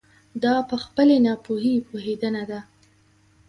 دا په خپلې ناپوهي پوهېدنه ده.